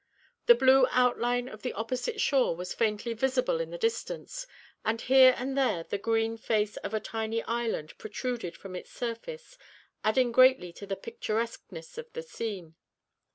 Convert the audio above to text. The blue outline of the opposite shore was faintly visible in the distance, and here and there the green face of a tiny island protruded from its surface adding greatly to the picturesqueness of the scene.